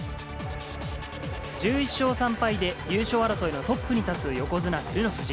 １１勝３敗で、優勝争いのトップに立つ横綱・照ノ富士。